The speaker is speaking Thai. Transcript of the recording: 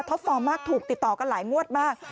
ฟอร์มมากถูกติดต่อกันหลายงวดมาก